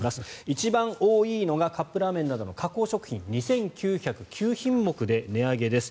一番多いのがカップラーメンなどの加工食品２９０９品目で値上げです。